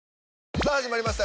さぁ始まりました。